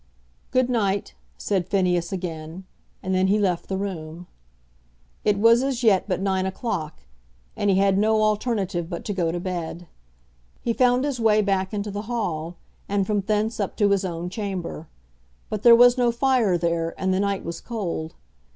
"Good night," said Phineas again; and then he left the room. It was as yet but nine o'clock, and he had no alternative but to go to bed. He found his way back into the hall, and from thence up to his own chamber. But there was no fire there, and the night was cold.